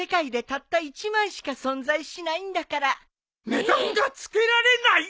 値段が付けられない！？